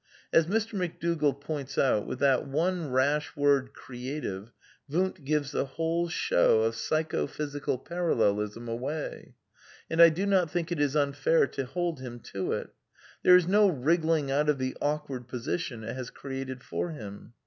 . As Mr. McDougall points out, with that one rash word! " creative '^ Wundt gives the whole show of psycho physicid I Parallelism away. And I do not think it is unfair to hold him to it. There is no wriggling out of the awkward position it has created for him.